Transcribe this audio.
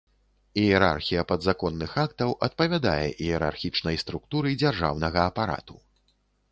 Іерархія падзаконных актаў адпавядае іерархічнай структуры дзяржаўнага апарату.